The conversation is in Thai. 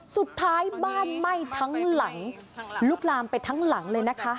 สุดท้ายบ้านไหม้ทั้งหลังลุกลามไปทั้งหลังเลยนะคะ